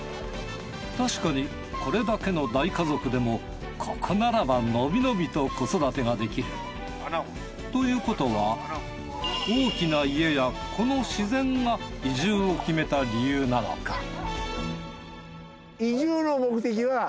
たしかにこれだけの大家族でもここならばのびのびと子育てができる。ということは大きな家やこの自然が移住を決めた理由なのか？